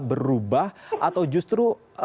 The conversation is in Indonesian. berubah atau justru